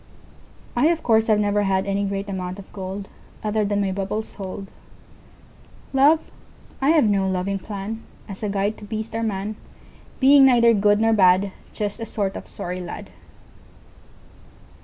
I, of course, have never hadAny great amount of goldOther than my bubbles hold. Love? I have no loving planAs a guide to beast or man, Being neither good nor bad, Just a sort of sorry lad.